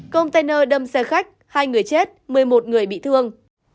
container đâm xe khách hai người chết một mươi một người bị thương